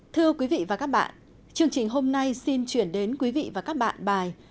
thưa quý vị và các bạn chương trình hôm nay xin chuyển đến quý vị và các bạn bài